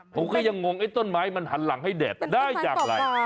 ผมก็ยังงงไอ้ต้นไม้มันหันหลังให้แดดได้อย่างไร